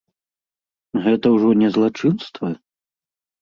Гэта ўжо не злачынства?